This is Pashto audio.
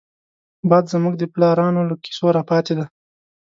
باد زمونږ د پلارانو له کيسو راپاتې دی